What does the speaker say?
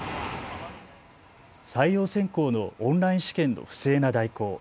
採用選考のオンライン試験の不正な代行。